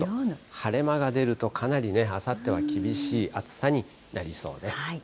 晴れ間が出るとかなりあさっては厳しい暑さになりそうです。